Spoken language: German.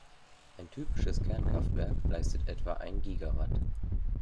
Ein typisches Kernkraftwerk leistet etwa ein Gigawatt.